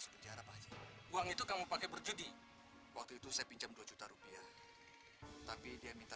sampai jumpa di video selanjutnya